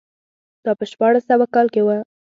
دا په شپاړس سوه کال کې و.